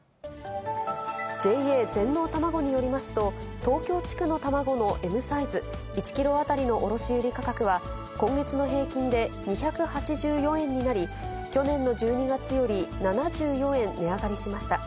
ＪＡ全農たまごによりますと、東京地区の卵のＭサイズ１キロ当たりの卸売り価格は、今月の平均で２８４円になり、去年の１２月より７４円値上がりしました。